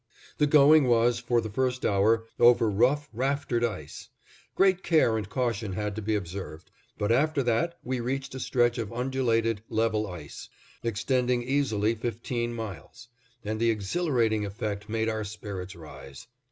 The going was, for the first hour, over rough, raftered ice. Great care and caution had to be observed, but after that we reached a stretch of undulated, level ice, extending easily fifteen miles; and the exhilarating effect made our spirits rise.